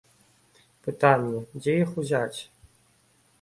Пытанне, дзе іх узяць?